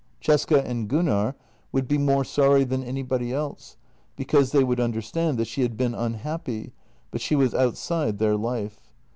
Cesca and Gunnar would be more sorry than anybody else, because they would understand that she had been unhappy, but she was outside their life.